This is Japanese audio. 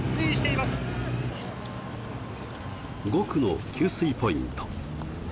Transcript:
５区の給水ポイント。